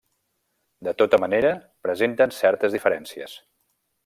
De tota manera presenten certes diferències.